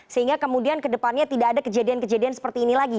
sehingga kemudian kedepannya tidak ada kejadian kejadian seperti ini lagi